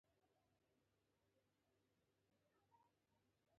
انتخابات دې په اور پسې شي.